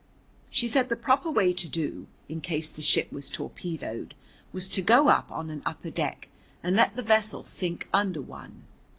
She said the proper way to do, in case the ship was torpedoed, was to go up on an upper deck, and let the vessel sink under one.